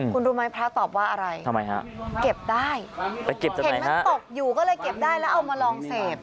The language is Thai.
คุณรู้ไหมพระตอบว่าอะไรทำไมฮะเก็บได้แต่เก็บมันตกอยู่ก็เลยเก็บได้แล้วเอามาลองเสพ